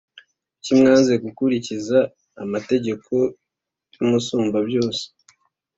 kucyi mwanze gukurikiza amategeko y’Umusumbabyose.